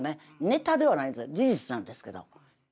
ネタではないんです事実なんですけど。